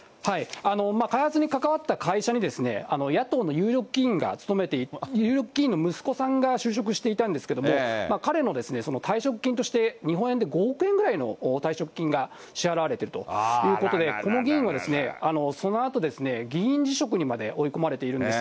開発に関わった会社に野党の有力議員の息子さんが就職していたんですけれども、彼の退職金として、日本円で５億円ぐらいの退職金が支払われているということで、この議員は、そのあと議員辞職にまで追い込まれているんです。